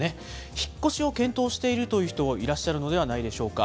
引っ越しを検討しているという人、いらっしゃるのではないでしょうか。